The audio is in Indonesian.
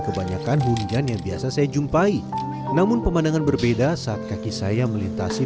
kebanyakan hujan yang biasa saya jumpai namun pemandangan berbeda saat kaki saya melintasi